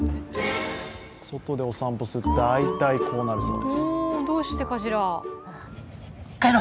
外でお散歩すると大体こうなるそうです。